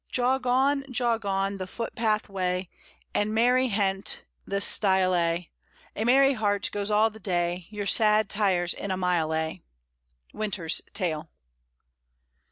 . Jog on, jog on, the footpath way, And merrily hent the stile a: , A merry heart goes all the day, Your sad tires in a mile a. Winter's Tale.